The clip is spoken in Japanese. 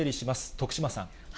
徳島さん。